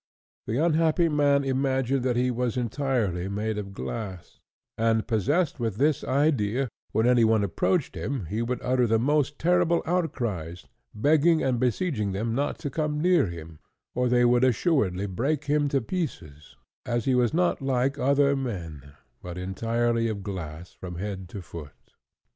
The unhappy man imagined that he was entirely made of glass; and, possessed with this idea, when any one approached him he would utter the most terrible outcries, begging and beseeching them not to come near him, or they would assuredly break him to pieces, as he was not like other men but entirely of glass from head to foot.